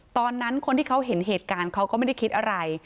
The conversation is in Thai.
ตอนนั้นคนที่เขาเห็นเหตุการณ์เขาก็ไม่ได้คิดอะไร